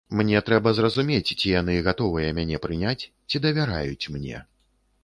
Мне трэба зразумець, ці яны гатовыя мяне прыняць, ці давяраюць мне.